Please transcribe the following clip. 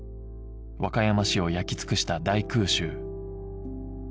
和歌山市を焼き尽くした大空襲